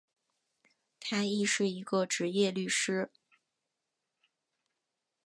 他亦是一个执业律师。